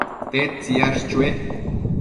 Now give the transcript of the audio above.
¿tedtsi yash chue